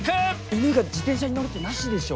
犬が自転車に乗るってなしでしょ。